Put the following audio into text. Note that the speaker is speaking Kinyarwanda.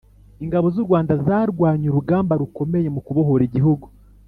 Ingabo zurwanda zarwanye urugamba rukomeye mukubohora igihugu